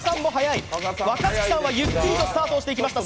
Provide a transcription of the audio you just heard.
若槻さんはゆっくりとスタートしていきました。